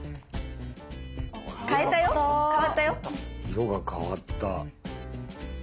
色が変わった。